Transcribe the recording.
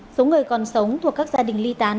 số người còn sống thuộc các gia đình ly tán